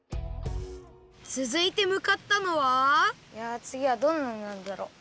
つづいてむかったのはいやつぎはどんなのなんだろう？